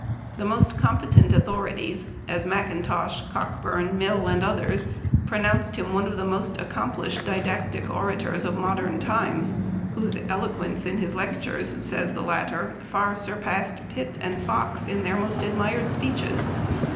The most com petent authorities, as Mackintosh, Cockburn, Mill, and others, pronounced him one of the most accomplished didactic orators of modern times, whose eloquence in his lectures, says the latter, far surpassed Pitt and Fox in their most admired speeches.